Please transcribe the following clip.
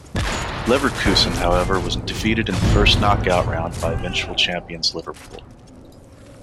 Leverkusen, however, was defeated in the first knockout round by eventual champions Liverpool.